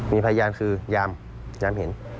มีพยายามคือยามเห็น